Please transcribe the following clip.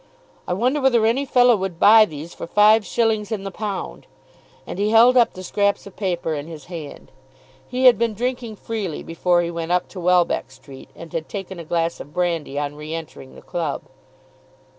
"I wonder whether any fellow would buy these for five shillings in the pound?" And he held up the scraps of paper in his hand. He had been drinking freely before he went up to Welbeck Street, and had taken a glass of brandy on re entering the club.